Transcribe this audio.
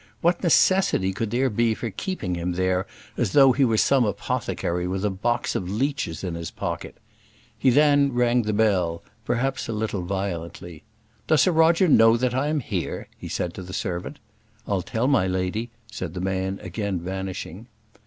What necessity could there be for keeping him there, as though he were some apothecary with a box of leeches in his pocket? He then rang the bell, perhaps a little violently. "Does Sir Roger know that I am here?" he said to the servant. "I'll tell my lady," said the man, again vanishing.